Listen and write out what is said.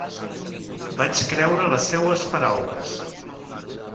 Vaig creure les seues paraules.